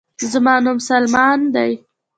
زما نوم سلمان دے